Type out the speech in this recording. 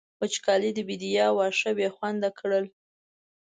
وچکالۍ د بېديا واښه بې خونده کړل.